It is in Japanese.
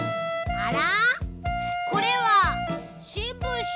あら？